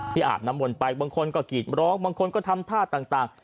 ที่อาจนำวนไปบางคนก็กีดร้องบางคนก็ทำท่าต่าง